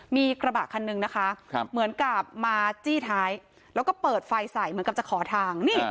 มีกระบะคันนึงนะคะเหมือนกับมาจี้ท้ายแล้วก็เปิดไฟใส่เหมือนกับจะขอทาง